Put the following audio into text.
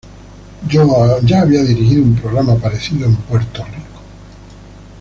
Ya había dirigido un programa parecido, en Puerto Rico.